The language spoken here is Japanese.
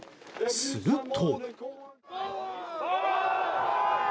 すると。